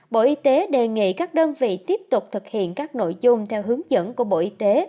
bộ y tế đề nghị các đơn vị tiếp tục thực hiện các nội dung theo hướng dẫn của bộ y tế